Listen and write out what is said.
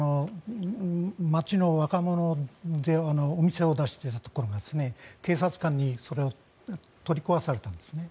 街の若者でお店を出していたところが警察官にそれを取り壊されたんですね。